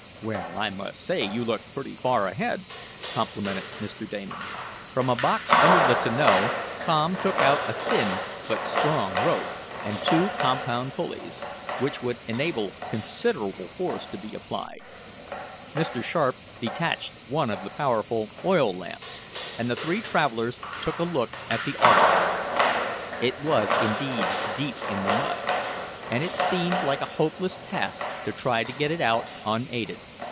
"Well, I must say you looked pretty far ahead," complimented Mr. Damon. From a box under the tonneau Tom took out a thin but strong rope and two compound pulleys, which would enable considerable force to be applied. Mr. Sharp detached one of the powerful oil lamps, and the three travelers took a look at the auto. It was indeed deep in the mud and it seemed like a hopeless task to try to get it out unaided.